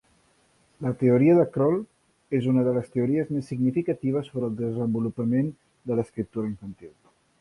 La teoria de Kroll és una de les teories més significatives sobre el desenvolupament de l'escriptura infantil.